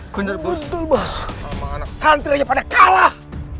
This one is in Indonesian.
kondor bos santri pada kalah